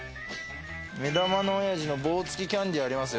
目玉おやじの棒つきキャンディーありますよ。